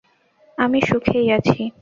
আমি সুখেই আছি।